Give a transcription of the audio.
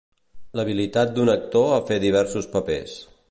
L'habilitat d'un actor a fer diversos papers.